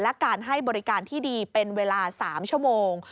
และการให้บริการที่ดีเป็นเวลา๓ชั่วโมง